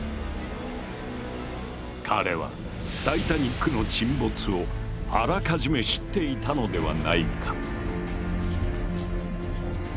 彼はタイタニックの沈没をあらかじめ知っていたのではないか？